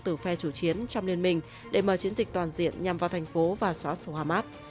từ phe chủ chiến trong liên minh để mở chiến dịch toàn diện nhằm vào thành phố và xóa sổ hamas